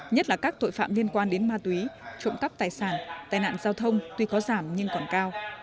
nhất là các tội phạm liên quan đến ma túy trộm cắp tài sản tai nạn giao thông tuy có giảm nhưng còn cao